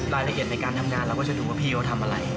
รายละเอียดในการทำงานเราก็จะดูว่าพี่เขาทำอะไร